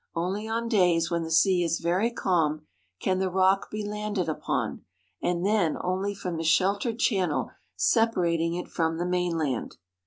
Only on days when the sea is very calm can the rock be landed upon and then only from the sheltered channel separating it from the mainland.